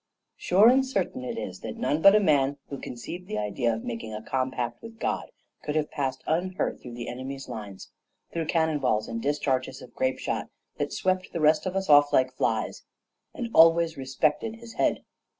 "Sure and certain it is that none but a man who conceived the idea of making a compact with God could have passed unhurt through the enemy's lines, through cannon balls, and discharges of grape shot that swept the rest of us off like flies, and always respected his head.